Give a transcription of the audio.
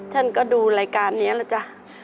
ฉันก็ดูรายการนี้แหละจ๊ะ